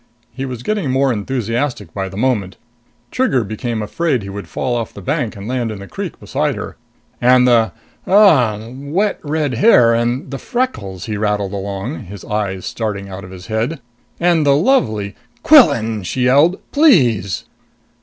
He was getting more enthusiastic by the moment; Trigger became afraid he would fall off the bank and land in the creek beside her. "And the ooh ummh! wet red hair and the freckles!" he rattled along, his eyes starting out of his head. "And the lovely " "Quillan!" she yelled. "Please!"